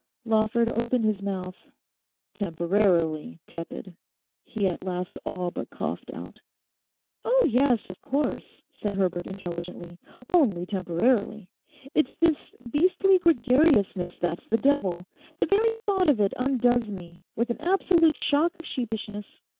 Lawford opened his mouth; 'Temporarily tepid,' he at last all but coughed out. 'Oh yes, of course,' said Herbert intelligently. 'Only temporarily. It's this beastly gregariousness that's the devil. The very thought of it undoes me—with an absolute shock of sheepishness.